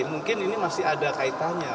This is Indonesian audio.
mungkin ini masih ada kaitannya